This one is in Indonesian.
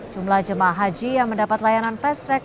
jumlah jemaah haji yang mendapat layanan fast track